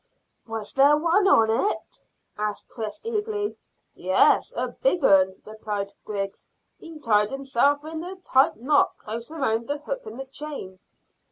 "Was there one on it?" asked Chris eagerly. "Yes, a big 'un," replied Griggs. "He'd tied himself in a tight knot close round the hook and the chain."